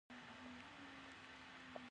هڅه ضایع کیږي؟